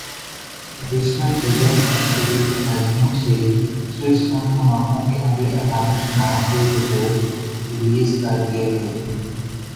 additional ججوں کی طویل ادائیگیوں سے سوئس بینک منافعوں کے اگلے اعدادوشمار کے جدول ریلیز کر دیے گئے